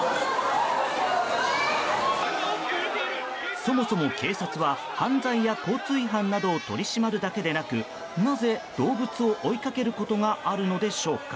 そもそも、警察は犯罪や交通違反を取り締まるだけでなくなぜ、動物を追いかけることがあるのでしょうか？